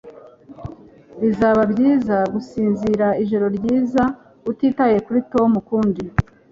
Bizaba byiza gusinzira ijoro ryiza utitaye kuri Tom ukundi